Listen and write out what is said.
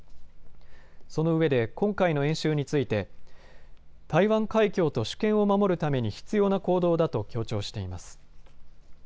そのうえで今回の演習について台湾海峡と主権を守るために必要な行動だと強調しています。